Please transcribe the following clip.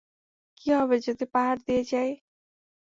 কী হবে যদি পাহাড় দিয়ে যাই?